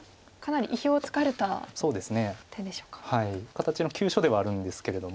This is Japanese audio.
形の急所ではあるんですけれども。